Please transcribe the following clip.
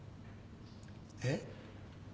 えっ？